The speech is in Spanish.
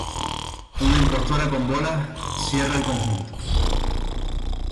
Una imposta con bolas cierra el conjunto.